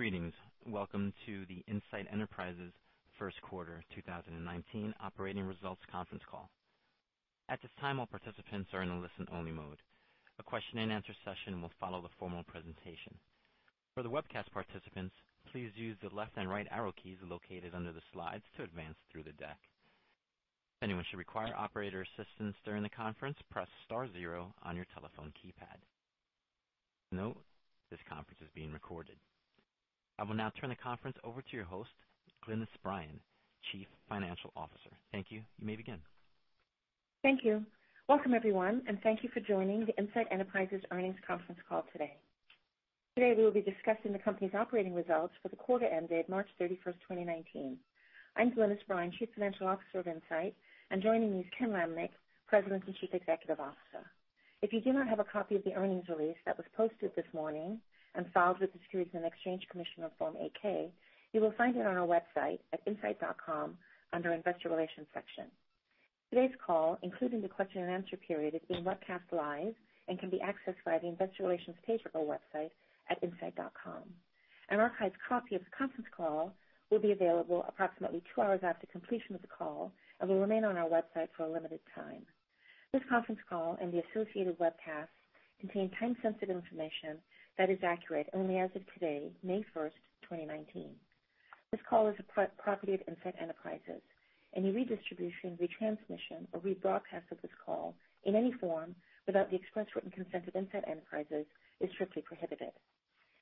Greetings. Welcome to the Insight Enterprises first quarter 2019 operating results conference call. At this time, all participants are in a listen-only mode. A question-and-answer session will follow the formal presentation. For the webcast participants, please use the left and right arrow keys located under the slides to advance through the deck. If anyone should require operator assistance during the conference, press star five on your telephone keypad. Note, this conference is being recorded. I will now turn the conference over to your host, Glynis Bryan, Chief Financial Officer. Thank you. You may begin. Thank you. Welcome everyone. Thank you for joining the Insight Enterprises earnings conference call today. Today, we will be discussing the company's operating results for the quarter ended March 31st, 2019. I'm Glynis Bryan, Chief Financial Officer of Insight, and joining me is Ken Lamneck, President and Chief Executive Officer. If you do not have a copy of the earnings release that was posted this morning and filed with the Securities and Exchange Commission on Form 8-K, you will find it on our website at insight.com under Investor Relations section. Today's call, including the question-and-answer period, is being webcast live and can be accessed via the Investor Relations page of our website at insight.com. An archived copy of the conference call will be available approximately two hours after completion of the call and will remain on our website for a limited time. This conference call and the associated webcast contain time-sensitive information that is accurate only as of today, May 1st, 2019. This call is the property of Insight Enterprises. Any redistribution, retransmission, or rebroadcast of this call in any form without the express written consent of Insight Enterprises is strictly prohibited.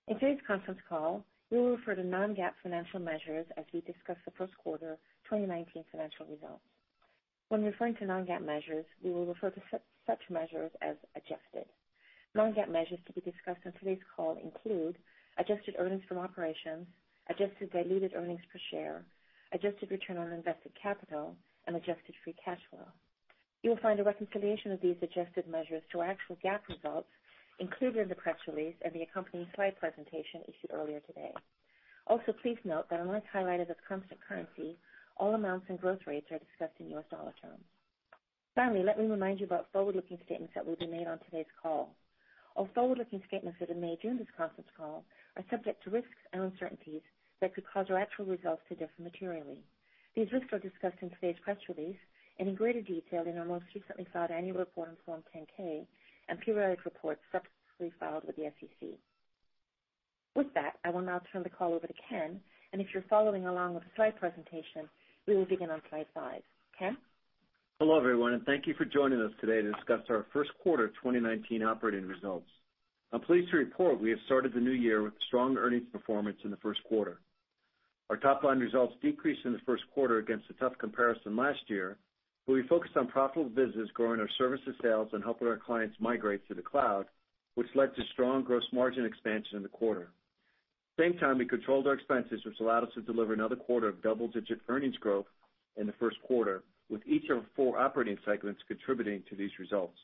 In today's conference call, we will refer to non-GAAP financial measures as we discuss the first quarter 2019 financial results. When referring to non-GAAP measures, we will refer to such measures as adjusted. Non-GAAP measures to be discussed on today's call include adjusted earnings from operations, adjusted diluted earnings per share, adjusted return on invested capital, and adjusted free cash flow. You will find a reconciliation of these adjusted measures to our actual GAAP results included in the press release and the accompanying slide presentation issued earlier today. Also, please note that unless highlighted as constant currency, all amounts and growth rates are discussed in U.S. dollar terms. Finally, let me remind you about forward-looking statements that will be made on today's call. All forward-looking statements that are made during this conference call are subject to risks and uncertainties that could cause our actual results to differ materially. These risks are discussed in today's press release and in greater detail in our most recently filed annual report on Form 10-K and periodic reports subsequently filed with the SEC. With that, I will now turn the call over to Ken, and if you're following along with the slide presentation, we will begin on slide five. Ken? Hello, everyone, and thank you for joining us today to discuss our first quarter 2019 operating results. I'm pleased to report we have started the new year with strong earnings performance in the first quarter. Our top-line results decreased in the first quarter against a tough comparison last year, where we focused on profitable business growing our services sales and helping our clients migrate to the cloud, which led to strong gross margin expansion in the quarter. Same time, we controlled our expenses, which allowed us to deliver another quarter of double-digit earnings growth in the first quarter, with each of our four operating segments contributing to these results.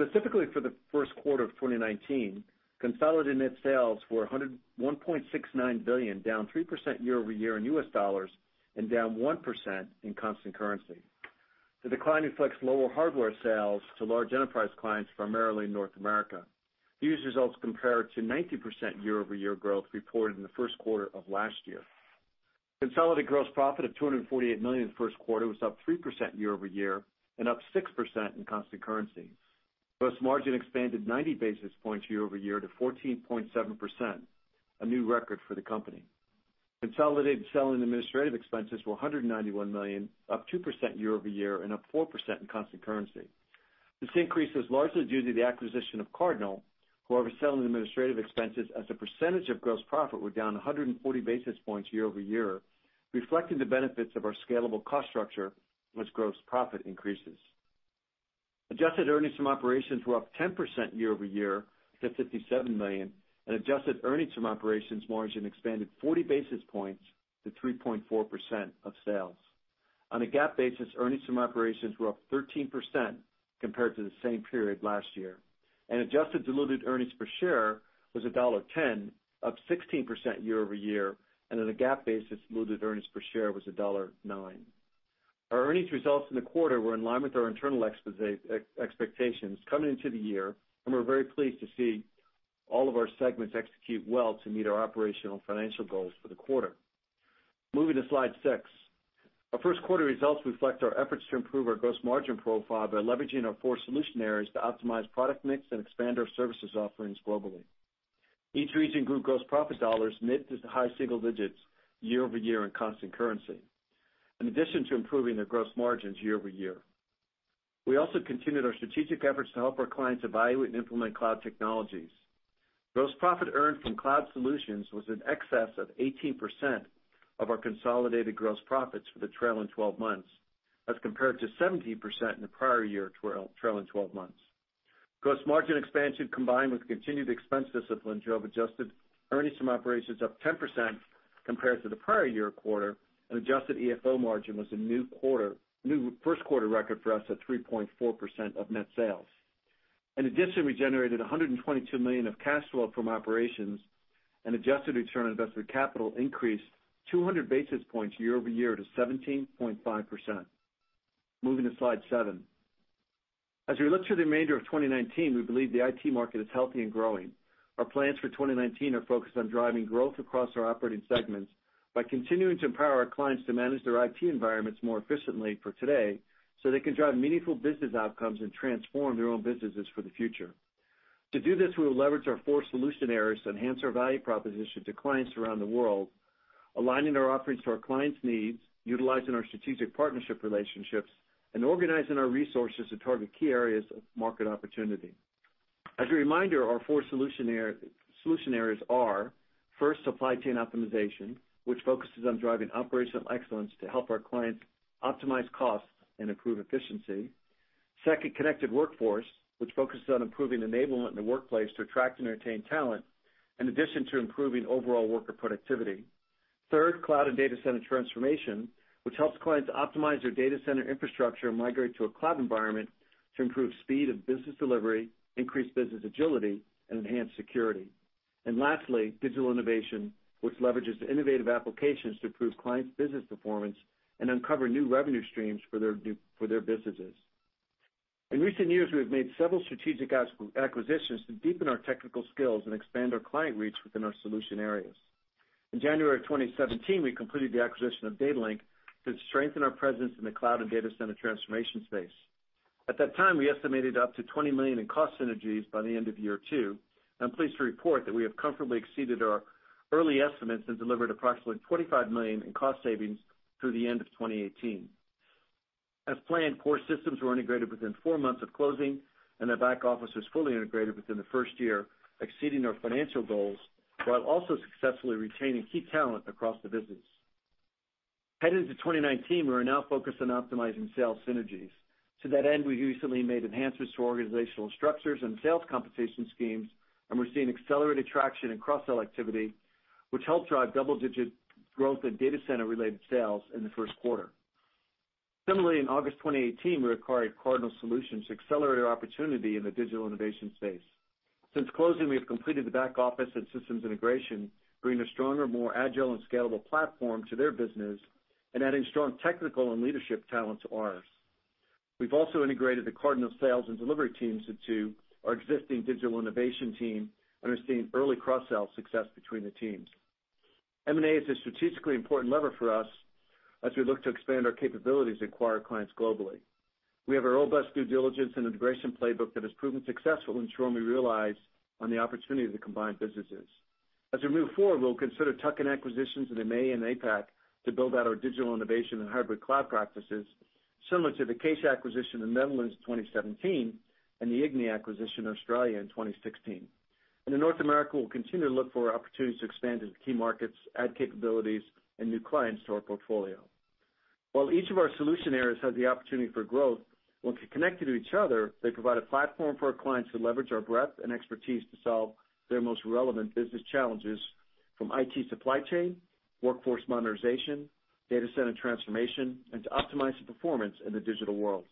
Specifically for the first quarter of 2019, consolidated net sales were $1.69 billion, down 3% year-over-year in U.S. dollars and down 1% in constant currency. The decline reflects lower hardware sales to large enterprise clients, primarily in North America. These results compare to 19% year-over-year growth reported in the first quarter of last year. Consolidated gross profit of $248 million in the first quarter was up 3% year-over-year and up 6% in constant currency. Gross margin expanded 90 basis points year-over-year to 14.7%, a new record for the company. Consolidated selling administrative expenses were $191 million, up 2% year-over-year and up 4% in constant currency. This increase was largely due to the acquisition of Cardinal, however selling administrative expenses as a percentage of gross profit were down 140 basis points year-over-year, reflecting the benefits of our scalable cost structure, with gross profit increases. Adjusted earnings from operations were up 10% year-over-year to $57 million, and adjusted earnings from operations margin expanded 40 basis points to 3.4% of sales. On a GAAP basis, earnings from operations were up 13% compared to the same period last year, and adjusted diluted earnings per share was $1.10, up 16% year-over-year, and on a GAAP basis, diluted earnings per share was $1.09. Our earnings results in the quarter were in line with our internal expectations coming into the year, and we're very pleased to see all of our segments execute well to meet our operational financial goals for the quarter. Moving to slide six. Our first quarter results reflect our efforts to improve our gross margin profile by leveraging our four solution areas to optimize product mix and expand our services offerings globally. Each region grew gross profit dollars mid to high single digits year-over-year in constant currency. In addition to improving their gross margins year-over-year, we also continued our strategic efforts to help our clients evaluate and implement cloud technologies. Gross profit earned from cloud solutions was in excess of 18% of our consolidated gross profits for the trailing 12 months as compared to 17% in the prior year trailing 12 months. Gross margin expansion, combined with continued expense discipline, drove adjusted earnings from operations up 10% compared to the prior year quarter, and adjusted EFO margin was a new first-quarter record for us at 3.4% of net sales. In addition, we generated $122 million of cash flow from operations and adjusted return on invested capital increased 200 basis points year-over-year to 17.5%. Moving to slide seven. As we look through the remainder of 2019, we believe the IT market is healthy and growing. Our plans for 2019 are focused on driving growth across our operating segments by continuing to empower our clients to manage their IT environments more efficiently for today, they can drive meaningful business outcomes and transform their own businesses for the future. To do this, we will leverage our four solution areas to enhance our value proposition to clients around the world, aligning our offerings to our clients' needs, utilizing our strategic partnership relationships, and organizing our resources to target key areas of market opportunity. As a reminder, our four solution areas are, first, supply chain optimization, which focuses on driving operational excellence to help our clients optimize costs and improve efficiency. Second, connected workforce, which focuses on improving enablement in the workplace to attract and retain talent in addition to improving overall worker productivity. Third, cloud and data center transformation, which helps clients optimize their data center infrastructure and migrate to a cloud environment to improve speed of business delivery, increase business agility, and enhance security. Lastly, digital innovation, which leverages innovative applications to improve clients' business performance and uncover new revenue streams for their businesses. In recent years, we have made several strategic acquisitions to deepen our technical skills and expand our client reach within our solution areas. In January of 2017, we completed the acquisition of Datalink to strengthen our presence in the cloud and data center transformation space. At that time, we estimated up to $20 million in cost synergies by the end of year two. I'm pleased to report that we have comfortably exceeded our early estimates and delivered approximately $25 million in cost savings through the end of 2018. As planned, core systems were integrated within four months of closing, their back office was fully integrated within the first year, exceeding our financial goals while also successfully retaining key talent across the business. Heading into 2019, we are now focused on optimizing sales synergies. To that end, we recently made enhancements to organizational structures and sales compensation schemes, we're seeing accelerated traction in cross-sell activity, which helped drive double-digit growth in data center-related sales in the first quarter. Similarly, in August 2018, we acquired Cardinal Solutions to accelerate our opportunity in the digital innovation space. Since closing, we have completed the back-office and systems integration, bringing a stronger, more agile, and scalable platform to their business and adding strong technical and leadership talent to ours. We've also integrated the Cardinal sales and delivery teams into our existing digital innovation team and are seeing early cross-sell success between the teams. M&A is a strategically important lever for us as we look to expand our capabilities and acquire clients globally. We have a robust due diligence and integration playbook that has proven successful, ensuring we realize on the opportunity of the combined businesses. As we move forward, we'll consider tuck-in acquisitions in EMEA and APAC to build out our digital innovation and hybrid cloud practices, similar to the Case acquisition in the Netherlands in 2017 and the Ignia acquisition in Australia in 2016. In North America, we'll continue to look for opportunities to expand into key markets, add capabilities, and new clients to our portfolio. While each of our solution areas has the opportunity for growth, when connected to each other, they provide a platform for our clients to leverage our breadth and expertise to solve their most relevant business challenges, from IT supply chain, workforce modernization, data center transformation, and to optimize the performance in the digital world.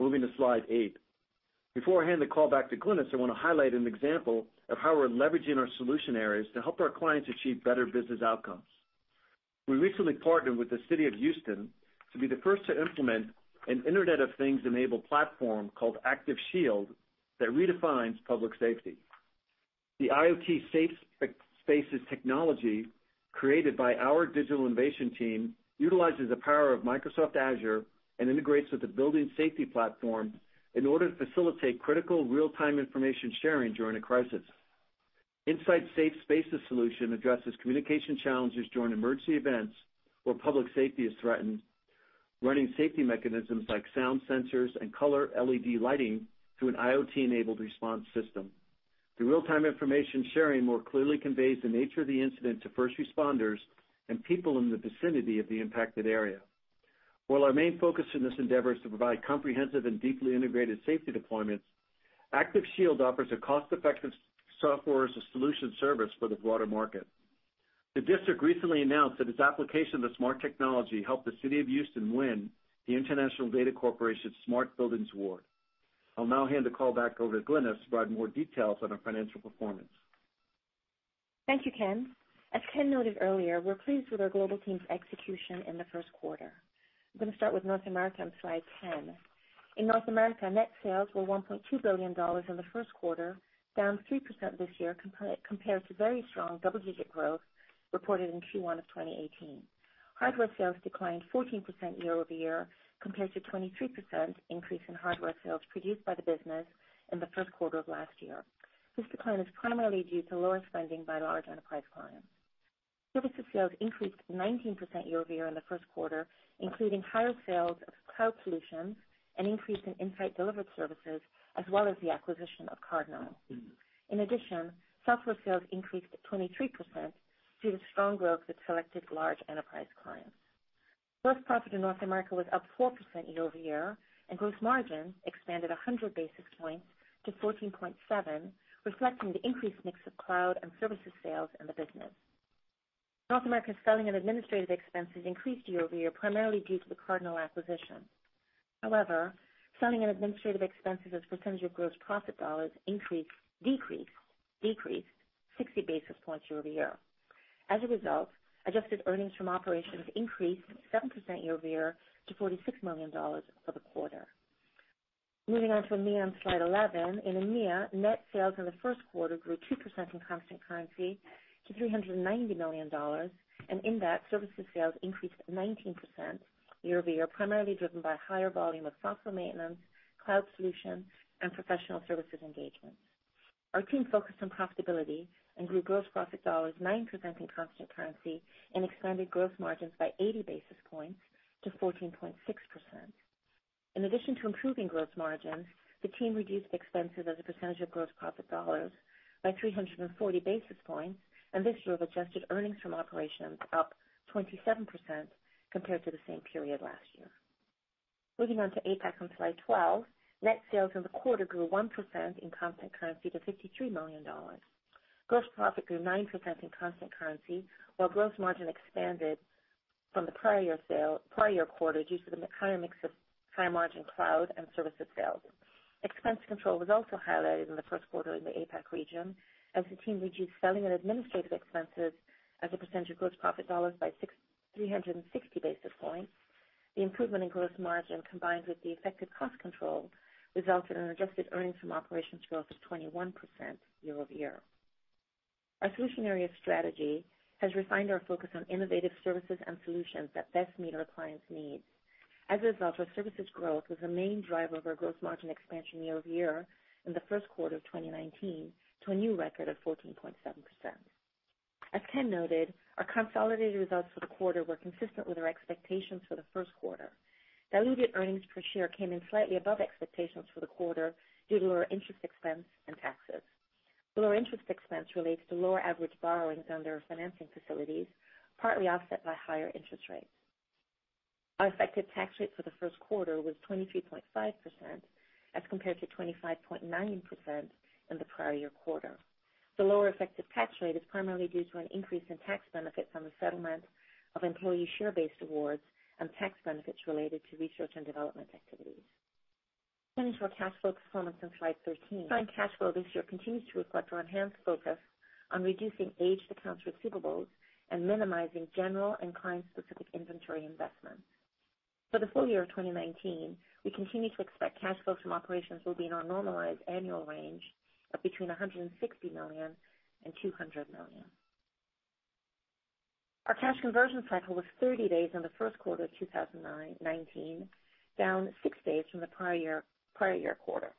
Moving to slide eight. Before I hand the call back to Glynis, I want to highlight an example of how we're leveraging our solution areas to help our clients achieve better business outcomes. We recently partnered with the City of Houston to be the first to implement an Internet of Things-enabled platform called ActiveShield that redefines public safety. The IoT Safe Spaces technology, created by our digital innovation team, utilizes the power of Microsoft Azure and integrates with the building safety platform in order to facilitate critical real-time information sharing during a crisis. Insight's Safe Spaces solution addresses communication challenges during emergency events where public safety is threatened, running safety mechanisms like sound sensors and color LED lighting through an IoT-enabled response system. The real-time information sharing more clearly conveys the nature of the incident to first responders and people in the vicinity of the impacted area. While our main focus in this endeavor is to provide comprehensive and deeply integrated safety deployments, ActiveShield offers a cost-effective Software-as-a-Service service for the broader market. The district recently announced that its application of the smart technology helped the City of Houston win the International Data Corporation Smart Buildings Award. I'll now hand the call back over to Glynis to provide more details on our financial performance. Thank you, Ken. As Ken noted earlier, we're pleased with our global team's execution in the first quarter. I'm going to start with North America on slide 10. In North America, net sales were $1.2 billion in the first quarter, down 3% this year compared to very strong double-digit growth reported in Q1 of 2018. Hardware sales declined 14% year-over-year compared to 23% increase in hardware sales produced by the business in the first quarter of last year. This decline is primarily due to lower spending by large enterprise clients. Services sales increased 19% year-over-year in the first quarter, including higher sales of cloud solutions, an increase in Insight delivered services, as well as the acquisition of Cardinal. In addition, software sales increased 23% due to strong growth with selected large enterprise clients. Gross profit in North America was up 4% year-over-year, and gross margin expanded 100 basis points to 14.7%, reflecting the increased mix of cloud and services sales in the business. North America's selling and administrative expenses increased year-over-year, primarily due to the Cardinal acquisition. However, selling and administrative expenses as a percentage of gross profit dollars decreased 60 basis points year-over-year. As a result, adjusted earnings from operations increased 7% year-over-year to $46 million for the quarter. Moving on to EMEA on slide 11, in EMEA, net sales in the first quarter grew 2% in constant currency to $390 million, and in that, services sales increased 19% year-over-year, primarily driven by higher volume of software maintenance, cloud solutions, and professional services engagements. Our team focused on profitability and grew gross profit dollars 9% in constant currency and expanded gross margins by 80 basis points to 14.6%. In addition to improving gross margins, the team reduced expenses as a percentage of gross profit dollars by 340 basis points. This drove adjusted earnings from operations up 27% compared to the same period last year. Moving on to APAC on slide 12. Net sales in the quarter grew 1% in constant currency to $53 million. Gross profit grew 9% in constant currency, while gross margin expanded from the prior year quarter due to the higher mix of higher-margin cloud and services sales. Expense control was also highlighted in the first quarter in the APAC region, as the team reduced selling and administrative expenses as a percentage of gross profit dollars by 360 basis points. The improvement in gross margin, combined with the effective cost control, resulted in an adjusted earnings from operations growth of 21% year-over-year. Our solution area strategy has refined our focus on innovative services and solutions that best meet our clients' needs. A result, our services growth was the main driver of our gross margin expansion year-over-year in the first quarter of 2019 to a new record of 14.7%. As Ken noted, our consolidated results for the quarter were consistent with our expectations for the first quarter. Diluted earnings per share came in slightly above expectations for the quarter due to lower interest expense and taxes. Lower interest expense relates to lower average borrowings under our financing facilities, partly offset by higher interest rates. Our effective tax rate for the first quarter was 23.5% as compared to 25.9% in the prior year quarter. The lower effective tax rate is primarily due to an increase in tax benefits on the settlement of employee share-based awards and tax benefits related to research and development activities. Turning to our cash flow performance on slide 13. Operating cash flow this year continues to reflect our enhanced focus on reducing aged accounts receivables and minimizing general and client-specific inventory investments. For the full year of 2019, we continue to expect cash flow from operations will be in our normalized annual range of between $160 million and $200 million. Our cash conversion cycle was 30 days in the first quarter of 2019, down six days from the prior year quarter.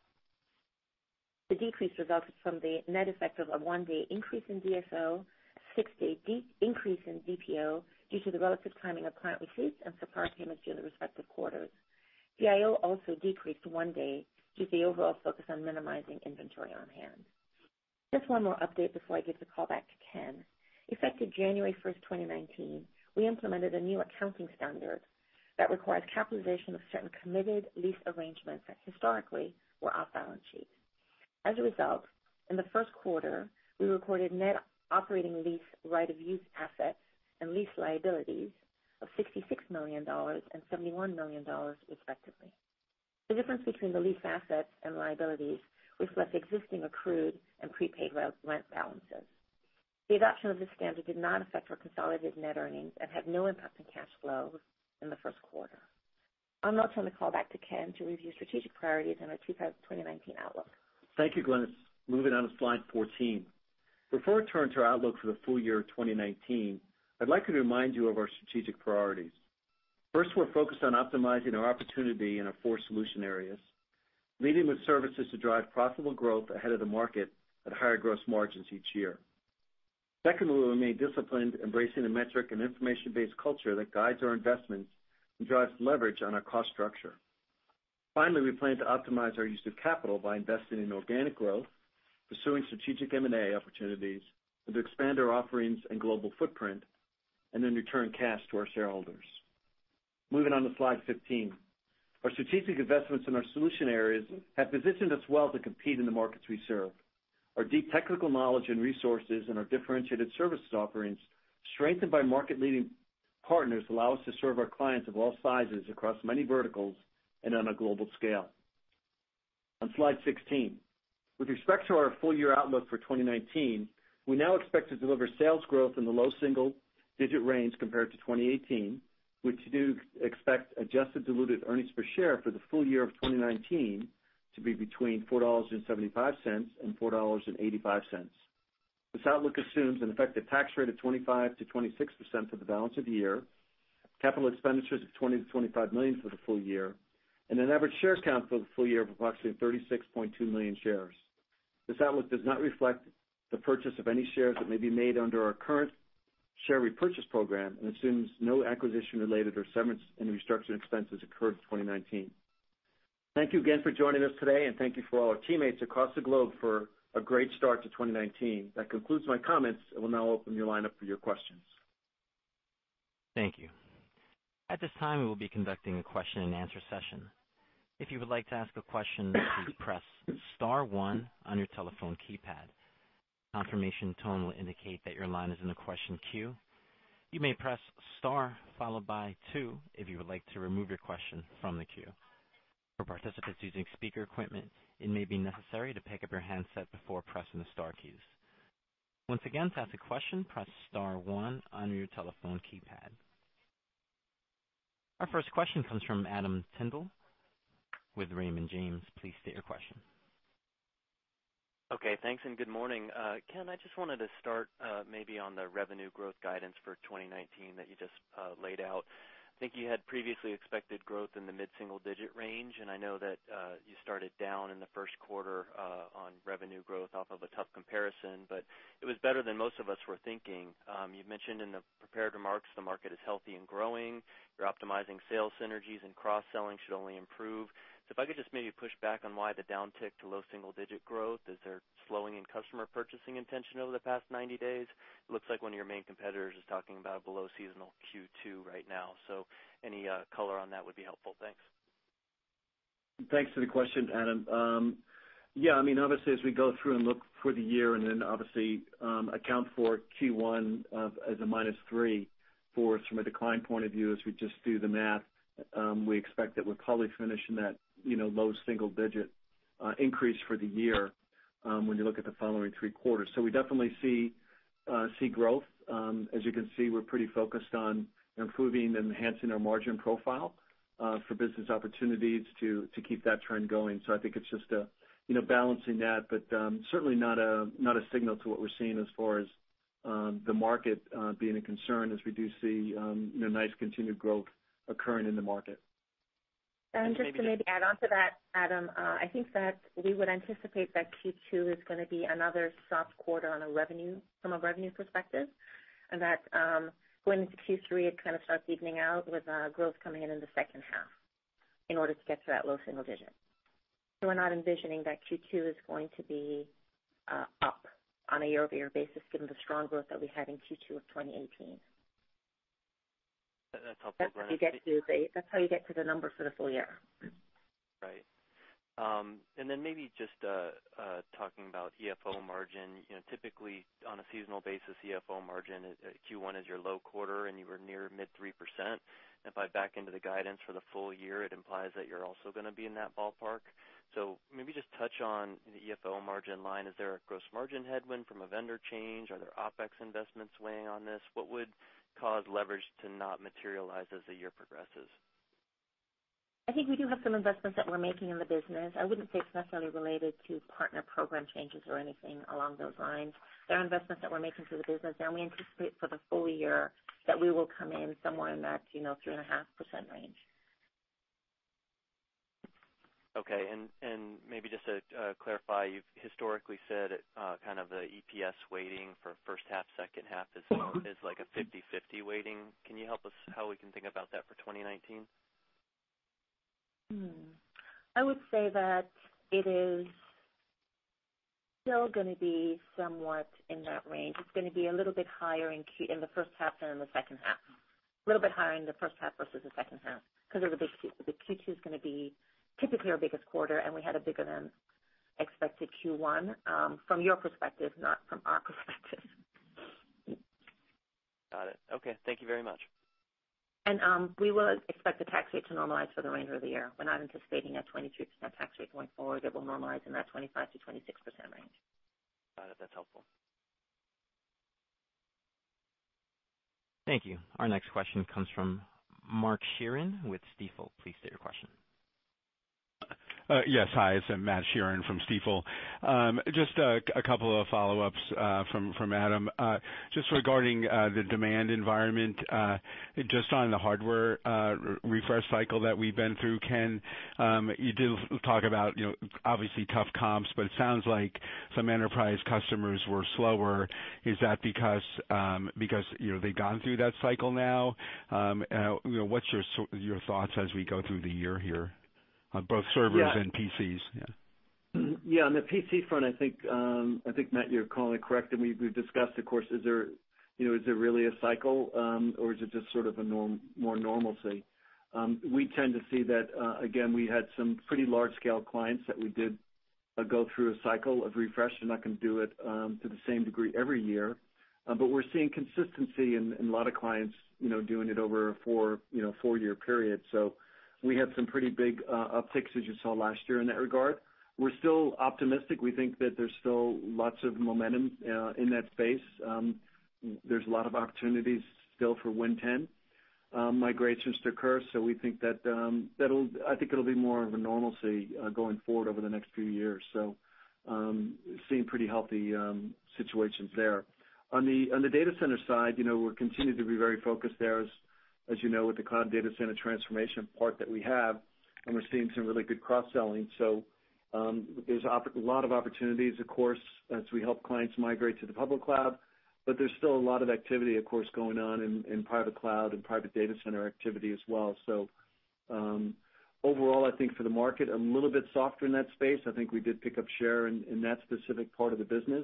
The decrease resulted from the net effect of a one-day increase in DSO, a six-day increase in DPO due to the relative timing of client receipts and supplier payments during the respective quarters. DIO also decreased one day due to the overall focus on minimizing inventory on hand. Just one more update before I give the call back to Ken. Effective January 1st, 2019, we implemented a new accounting standard that requires capitalization of certain committed lease arrangements that historically were off balance sheet. A result, in the first quarter, we recorded net operating lease right of use assets and lease liabilities of $66 million and $71 million, respectively. The difference between the lease assets and liabilities reflects existing accrued and prepaid rent balances. The adoption of this standard did not affect our consolidated net earnings and had no impact on cash flow in the first quarter. I'll now turn the call back to Ken to review strategic priorities and our 2019 outlook. Thank you, Glynis. Moving on to slide 14. Before I turn to our outlook for the full year of 2019, I'd like to remind you of our strategic priorities. First, we're focused on optimizing our opportunity in our four solution areas, leading with services to drive profitable growth ahead of the market at higher gross margins each year. Secondly, we remain disciplined, embracing a metric and information-based culture that guides our investments and drives leverage on our cost structure. Finally, we plan to optimize our use of capital by investing in organic growth, pursuing strategic M&A opportunities, and to expand our offerings and global footprint, and then return cash to our shareholders. Moving on to slide 15. Our strategic investments in our solution areas have positioned us well to compete in the markets we serve. Our deep technical knowledge and resources and our differentiated services offerings, strengthened by market-leading partners, allow us to serve our clients of all sizes across many verticals and on a global scale. On slide 16. With respect to our full-year outlook for 2019, we now expect to deliver sales growth in the low single-digit range compared to 2018. We do expect adjusted diluted earnings per share for the full year of 2019 to be between $4.75 and $4.85. This outlook assumes an effective tax rate of 25%-26% for the balance of the year, capital expenditures of $20 million-$25 million for the full year, and an average shares count for the full year of approximately 36.2 million shares. This outlook does not reflect the purchase of any shares that may be made under our current share repurchase program and assumes no acquisition-related or severance and restructuring expenses occurred in 2019. Thank you again for joining us today, and thank you for all our teammates across the globe for a great start to 2019. That concludes my comments. I will now open your line up for your questions. Thank you. At this time, we will be conducting a question and answer session. If you would like to ask a question, please press star one on your telephone keypad. A confirmation tone will indicate that your line is in the question queue. You may press star followed by two if you would like to remove your question from the queue. For participants using speaker equipment, it may be necessary to pick up your handset before pressing the star keys. Once again, to ask a question, press star one on your telephone keypad. Our first question comes from Adam Tindle with Raymond James. Please state your question. Thanks, good morning. Ken, I just wanted to start on the revenue growth guidance for 2019 that you just laid out. I think you had previously expected growth in the mid-single-digit range. I know that you started down in the first quarter on revenue growth off of a tough comparison, but it was better than most of us were thinking. You've mentioned in the prepared remarks the market is healthy and growing. You're optimizing sales synergies and cross-selling should only improve. If I could just push back on why the downtick to low single-digit growth. Is there slowing in customer purchasing intention over the past 90 days? It looks like one of your main competitors is talking about a below seasonal Q2 right now. Any color on that would be helpful. Thanks. Thanks for the question, Adam. Obviously, as we go through and look for the year and then obviously, account for Q1 as a minus three for us from a decline point of view, as we just do the math, we expect that we'll probably finish in that low single-digit increase for the year when you look at the following three quarters. We definitely see growth. As you can see, we're pretty focused on improving and enhancing our margin profile for business opportunities to keep that trend going. I think it's just balancing that, but certainly not a signal to what we're seeing as far as the market being a concern as we do see nice continued growth occurring in the market. Just to add onto that, Adam, I think that we would anticipate that Q2 is going to be another soft quarter from a revenue perspective, and that going into Q3, it kind of starts evening out with growth coming in in the second half in order to get to that low single-digit. We're not envisioning that Q2 is going to be up on a year-over-year basis given the strong growth that we had in Q2 of 2018. That's helpful. That's how you get to the numbers for the full year. Right. Then maybe just talking about EFO margin. Typically, on a seasonal basis, EFO margin, Q1 is your low quarter, and you were near mid 3%. If I back into the guidance for the full year, it implies that you're also going to be in that ballpark. Maybe just touch on the EFO margin line. Is there a gross margin headwind from a vendor change? Are there OPEX investments weighing on this? What would cause leverage to not materialize as the year progresses? I think we do have some investments that we're making in the business. I wouldn't say it's necessarily related to partner program changes or anything along those lines. There are investments that we're making to the business, and we anticipate for the full year that we will come in somewhere in that 3.5% range. Okay. Maybe just to clarify, you've historically said kind of the EPS weighting for first half, second half is like a 50/50 weighting. Can you help us how we can think about that for 2019? I would say that it is still going to be somewhat in that range. It's going to be a little bit higher in the first half than in the second half. Little bit higher in the first half versus the second half because Q2 is going to be typically our biggest quarter, and we had a bigger-than-expected Q1, from your perspective, not from our perspective. Got it. Okay. Thank you very much. We will expect the tax rate to normalize for the remainder of the year. We're not anticipating a 23% tax rate going forward. It will normalize in that 25%-26% range. Got it. That's helpful. Thank you. Our next question comes from Matt Sheerin with Stifel. Please state your question. Yes. Hi, it's Matt Sheerin from Stifel. Just a couple of follow-ups from Adam. Just regarding the demand environment, just on the hardware refresh cycle that we've been through, Ken, you did talk about obviously tough comps, but it sounds like some enterprise customers were slower. Is that because they've gone through that cycle now? What's your thoughts as we go through the year here on both servers and PCs? Yeah. On the PC front, I think Matt, you're calling it correct, and we've discussed, of course, is there really a cycle, or is it just sort of a more normalcy? We tend to see that, again, we had some pretty large-scale clients that we did go through a cycle of refresh. They're not going to do it to the same degree every year. We're seeing consistency in a lot of clients doing it over a four-year period. We had some pretty big upticks as you saw last year in that regard. We're still optimistic. We think that there's still lots of momentum in that space. There's a lot of opportunities still for Windows 10 migrations to occur. I think it'll be more of a normalcy going forward over the next few years. Seeing pretty healthy situations there. On the data center side, we're continuing to be very focused there, as you know, with the cloud data center transformation part that we have. We're seeing some really good cross-selling. There's a lot of opportunities, of course, as we help clients migrate to the public cloud, there's still a lot of activity, of course, going on in private cloud and private data center activity as well. Overall, I think for the market, a little bit softer in that space. I think we did pick up share in that specific part of the business,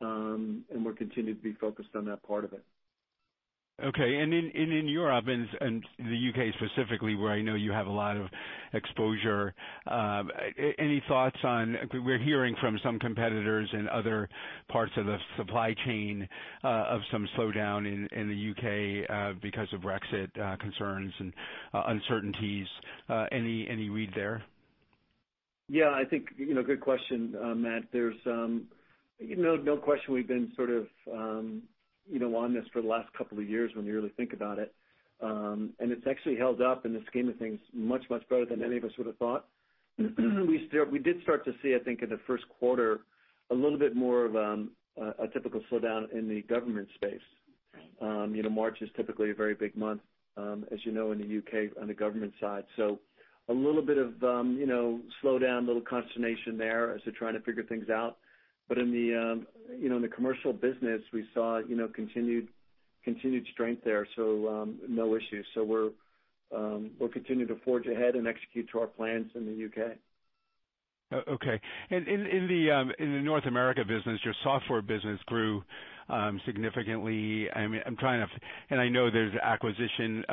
and we're continuing to be focused on that part of it. Okay. In Europe and the U.K. specifically, where I know you have a lot of exposure, any thoughts on? We're hearing from some competitors in other parts of the supply chain of some slowdown in the U.K. because of Brexit concerns and uncertainties. Any read there? Yeah, I think, good question, Matt. No question, we've been on this for the last couple of years when you really think about it. It's actually held up in the scheme of things much, much better than any of us would've thought. We did start to see, I think, in the first quarter, a little bit more of a typical slowdown in the government space. March is typically a very big month, as you know, in the U.K. on the government side. A little bit of slowdown, little consternation there as they're trying to figure things out. In the commercial business, we saw continued strength there. No issues. We'll continue to forge ahead and execute to our plans in the U.K. Okay. In the North America business, your software business grew significantly. I know there's acquisition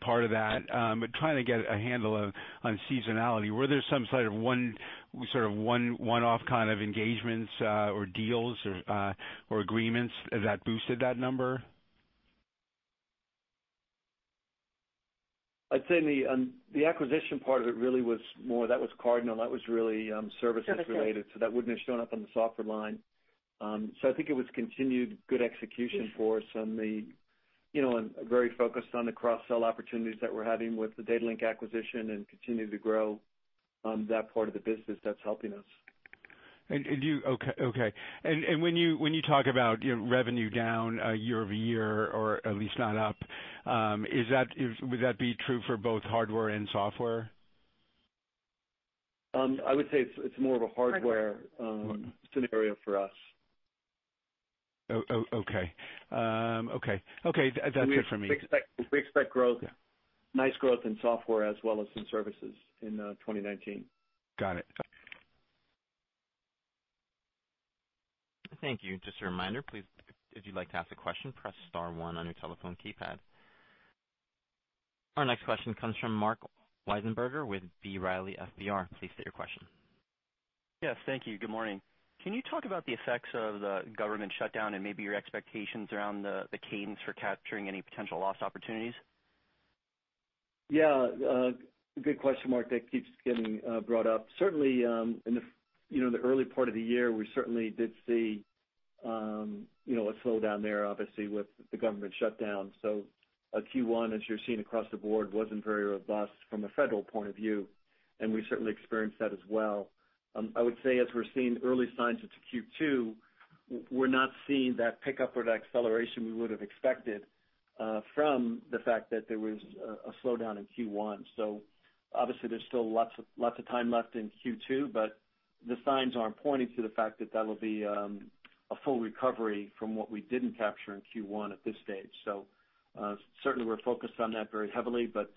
part of that, but trying to get a handle on seasonality. Were there some sort of one-off kind of engagements or deals or agreements that boosted that number? I'd say the acquisition part of it really was more, that was Cardinal, that was really services-related. That wouldn't have shown up on the software line. I think it was continued good execution for us and very focused on the cross-sell opportunities that we're having with the Datalink acquisition and continuing to grow that part of the business that's helping us. Okay. When you talk about revenue down year-over-year or at least not up, would that be true for both hardware and software? I would say it's more of a hardware scenario for us. Okay. That's it for me. We expect growth. Yeah. Nice growth in software as well as in services in 2019. Got it. Thank you. Just a reminder, please, if you'd like to ask a question, press star one on your telephone keypad. Our next question comes from Marc Wiesenberger with B. Riley FBR. Please state your question. Yes, thank you. Good morning. Can you talk about the effects of the government shutdown and maybe your expectations around the cadence for capturing any potential lost opportunities? Yeah. Good question, Marc, that keeps getting brought up. Certainly, in the early part of the year, we certainly did see a slowdown there, obviously, with the government shutdown. Q1, as you're seeing across the board, wasn't very robust from a federal point of view, and we certainly experienced that as well. I would say, as we're seeing early signs into Q2, we're not seeing that pickup or that acceleration we would've expected from the fact that there was a slowdown in Q1. Obviously there's still lots of time left in Q2, but the signs aren't pointing to the fact that that'll be a full recovery from what we didn't capture in Q1 at this stage. Certainly we're focused on that very heavily, but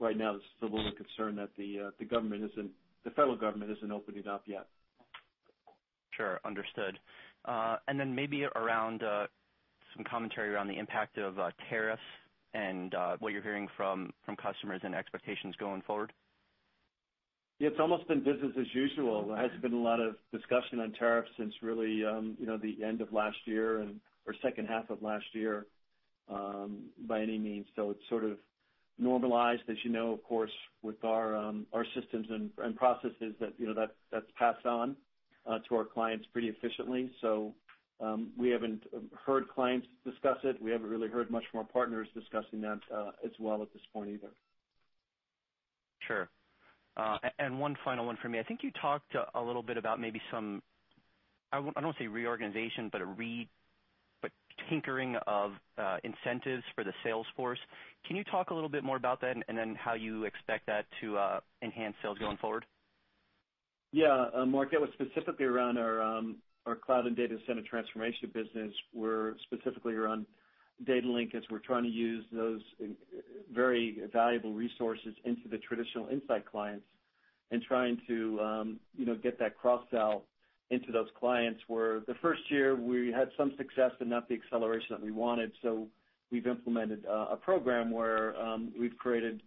right now there's still a little concern that the federal government isn't opening up yet. Sure, understood. Maybe some commentary around the impact of tariffs and what you're hearing from customers and expectations going forward. It's almost been business as usual. There hasn't been a lot of discussion on tariffs since really the end of last year and or second half of last year by any means. It's sort of normalized. As you know, of course, with our systems and processes that's passed on to our clients pretty efficiently. We haven't heard clients discuss it. We haven't really heard much from our partners discussing that as well at this point either. Sure. One final one for me. I think you talked a little bit about maybe some, I don't want to say reorganization, but a tinkering of incentives for the sales force. Can you talk a little bit more about that how you expect that to enhance sales going forward? Yeah, Marc, that was specifically around our cloud and data center transformation business, where specifically around Datalink, as we're trying to use those very valuable resources into the traditional Insight clients and trying to get that cross-sell into those clients, where the first year we had some success, but not the acceleration that we wanted. We've implemented a program where we've created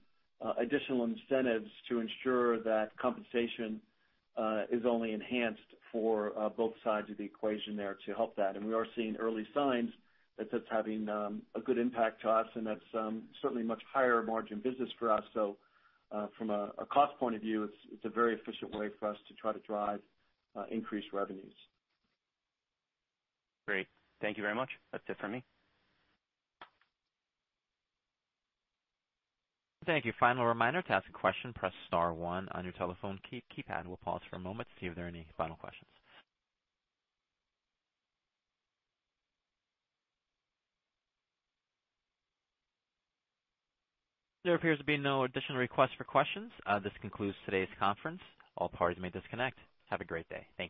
additional incentives to ensure that compensation is only enhanced for both sides of the equation there to help that. We are seeing early signs that that's having a good impact to us, and that's certainly much higher margin business for us. From a cost point of view, it's a very efficient way for us to try to drive increased revenues. Great. Thank you very much. That's it for me. Thank you. Final reminder, to ask a question, press star one on your telephone keypad. We'll pause for a moment to see if there are any final questions. There appears to be no additional requests for questions. This concludes today's conference. All parties may disconnect. Have a great day. Thank you.